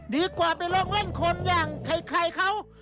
ดีกว่าไปลงเล่นคนอย่างใครเขา